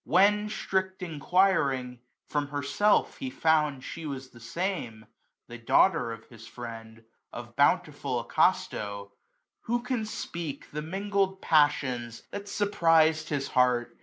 '' When, strict enquiring, from herself he found She was the same, the daughter of his friend. Of bountiful Acasto j who can speak 2^^ The mingled passions that surprized his heart.